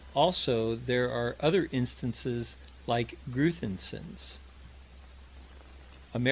Also there are other instances like Gruthinsen's: _Amer.